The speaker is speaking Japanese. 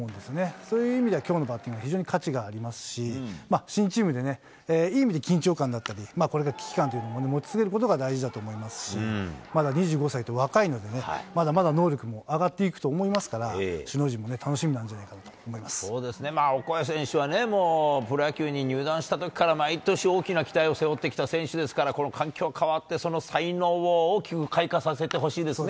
そういう意味ではきょうのバッティング、非常に価値がありますし、新チームで、いい意味で緊張感だったり、これが危機感というのを持ち続けることが大事だと思いますし、まだ２５歳と若いのでね、まだまだ能力も上がっていくと思いますから、首脳陣も楽しみなんそうですね、オコエ選手はね、もう、プロ野球に入団したときから、毎年大きな期待を背負ってきた選手ですから、この環境変わって、その才能を大きく開花させてほしいですね。